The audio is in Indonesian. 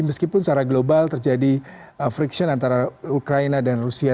meskipun secara global terjadi friction antara ukraina dan rusia